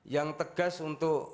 yang tegas untuk